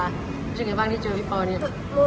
ยังไงบ้างที่เจอพี่ปอเนี่ย